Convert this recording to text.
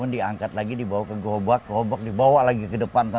diangkat lagi dibawa ke gerobak gerobak dibawa lagi ke depan